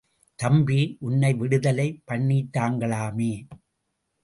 தம்பி, உன்னை விடுதலை பண்ணிட்டாங்களாமே?